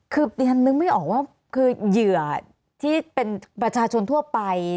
คือดิฉันนึกไม่ออกว่าคือเหยื่อที่เป็นประชาชนทั่วไป